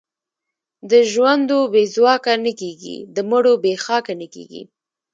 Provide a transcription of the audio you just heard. د ژوندو بې ځواکه نه کېږي، د مړو بې خاکه نه کېږي.